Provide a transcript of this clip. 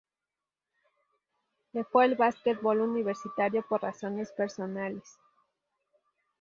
Dejó el básquetbol universitario por razones personales.